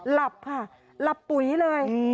หลับค่ะหลับปุ๋ยเลย